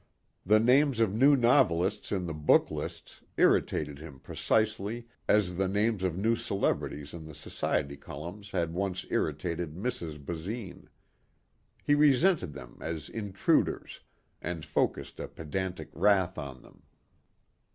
The names of new novelists in the book lists irritated him precisely as the names of new celebrities in the society columns had once irritated Mrs. Basine. He resented them as intruders and focused a pedantic wrath on them.